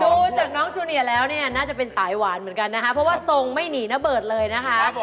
ดูจากน้องจูเนียแล้วเนี่ยน่าจะเป็นสายหวานเหมือนกันนะคะเพราะว่าทรงไม่หนีนะเบิดเลยนะคะ